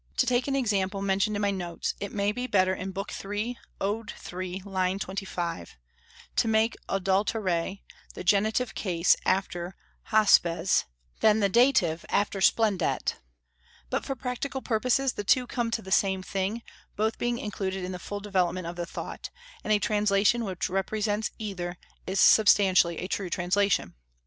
To take an example mentioned in my notes, it may be better in Book III. Ode 3, line 25, to make "adulterae" the genitive case after "hospes" than the dative after "splendet;" but for practical purposes the two come to the same thing, both being included in the full development of the thought; and a translation which represents either is substantially a true translation.